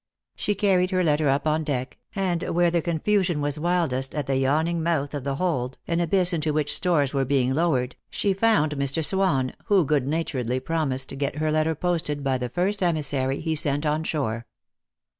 She carried her letter up on deck, and where the confusion was wildest, at the yawning mouth of the hold, an abyss into which stores were being lowered, she found Mr. Swan, who good naturedly promised to get her letter posted by the first emissary he sent on shore.